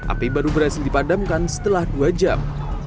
api baru berhasil dipadamkan setelah dua jam